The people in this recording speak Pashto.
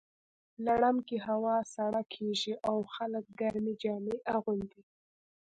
لړم کې هوا سړه کیږي او خلک ګرمې جامې اغوندي.